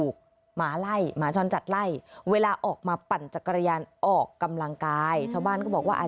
เขาบอกกับชาวบ้านว่า